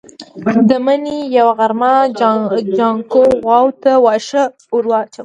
د مني يوه غرمه جانکو غواوو ته واښه ور اچول.